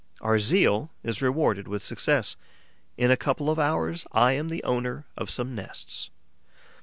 Our zeal is rewarded with success. In a couple of hours, I am the owner of some nests.